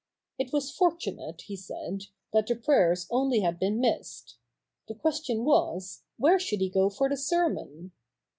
It was fortunate, he said, that the prayers only had been missed : the question was, where should he go for the sermon